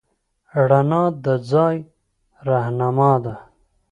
رڼا د ځای رهنما ده.